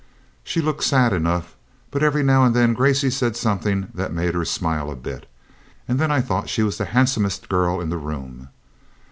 She looked sad enough, but every now and then Gracey said something that made her smile a bit, and then I thought she was the handsomest girl in the room.